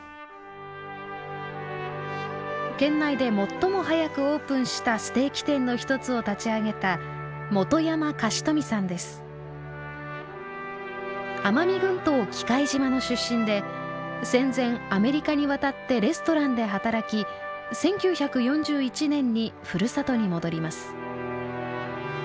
県内で最も早くオープンしたステーキ店の一つを立ち上げた奄美群島喜界島の出身で戦前アメリカに渡ってレストランで働き１９４１年にふるさとに戻ります。